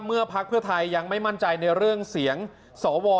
เมื่อภาคเบื้อไทยยังไม่มั่นใจในเรื่องเสียงสว